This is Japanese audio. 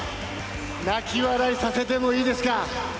泣き笑いさせてもいいですか。